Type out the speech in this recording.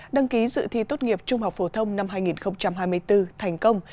đăng ký dự thi tốt nghiệp trung học phổ thông năm hai nghìn hai mươi bốn thành công